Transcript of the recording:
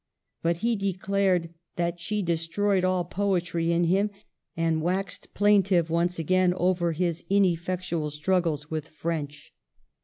But he declared that she destroyed all poetry in him, and waxed plaintive once again over his ineffectual struggles with French.